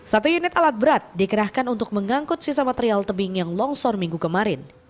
satu unit alat berat dikerahkan untuk mengangkut sisa material tebing yang longsor minggu kemarin